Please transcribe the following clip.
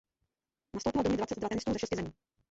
Nastoupilo do ni dvacet dva tenistů ze šesti zemí.